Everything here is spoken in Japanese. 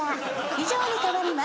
以上に代わります。